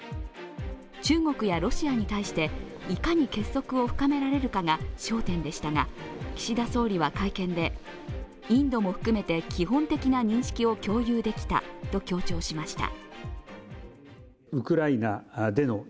中国やロシアに対していかに結束を深められるかが焦点でしたが岸田総理は会見でインドも含めて基本的な認識を共有できたと強調しました。